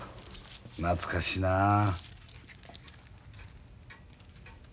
懐かしいなあ。